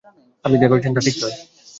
আপনি যা করছেন তা ঠিক নয়।